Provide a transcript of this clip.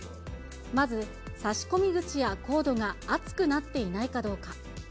まず、差し込み口やコードが熱くなっていないかどうか。